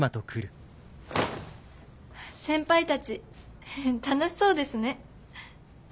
先輩たち楽しそうですね。